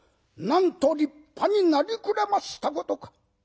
なんと立派になりくれましたことか」。